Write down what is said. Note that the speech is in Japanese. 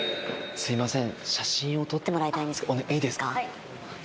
すいません。